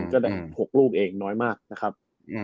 ก็ได้๖ลูกเองน้อยมากนะครับ